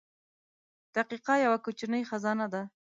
• دقیقه یوه کوچنۍ خزانه ده.